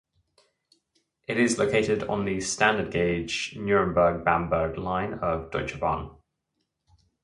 It is located on the standard gauge Nuremberg–Bamberg line of Deutsche Bahn.